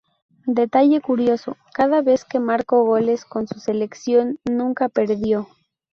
Detalle curioso: cada vez que marcó goles con su selección, nunca perdió.